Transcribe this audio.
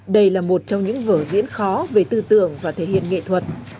đây là một trong những vở diễn khó về tư tưởng và thể hiện nghệ thuật